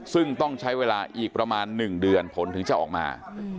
ซึ่งต้องใช้เวลาอีกประมาณ๑เดือนผลถึงจะออกมา